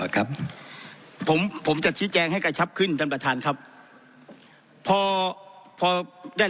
ครับผมผมจะชี้แจงให้กระชับขึ้นท่านประธานครับพอพอได้